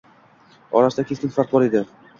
Orasida keskin farq bor edi.